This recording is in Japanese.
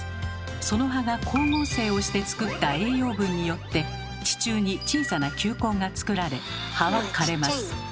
その葉が光合成をしてつくった栄養分によって地中に小さな球根がつくられ葉は枯れます。